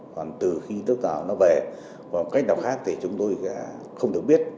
còn từ khi tức nào nó về hoặc cách nào khác thì chúng tôi không được biết